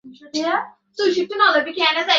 এই হেলমেট আমাকে বাঁচিয়েছে।